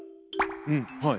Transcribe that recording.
うんはい